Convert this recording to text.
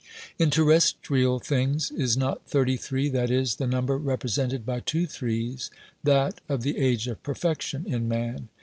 In terrestrial things, is not thirty three, that is, the number represented by two threes, that of the age of perfection in man